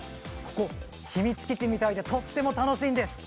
秘密基地みたいでとても楽しいです。